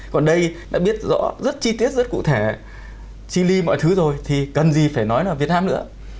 còn đây đã biết rõ rất chi tiết rất cụ thể chi ly mọi thứ rồi thì cần gì phải nói là việt nam nữa